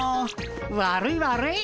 悪い悪い。